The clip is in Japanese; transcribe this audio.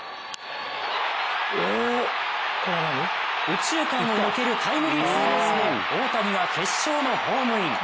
右中間を抜けるタイムリーツーベースで大谷が決勝のホームイン。